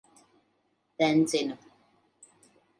Tencinu.